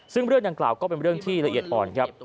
ซึ่งเรื่องดังกล่าวก็เป็นเรื่องที่ละเอียดอ่อนครับ